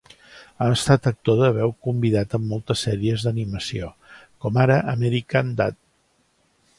Ha estat actor de veu convidat en moltes sèries d'animació, com ara American Dad!